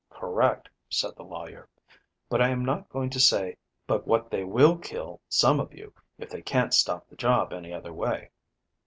"Correct," said the lawyer; "but I am not going to say but what they will kill some of you if they can't stop the job any other way."